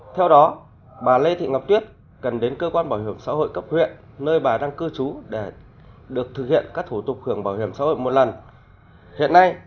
theo đó bà lê thị ngọc tuyết cần đến cơ quan bảo hiểm xã hội cấp huyện nơi bà đang cư trú để được thực hiện các thủ tục hưởng bảo hiểm xã hội một lần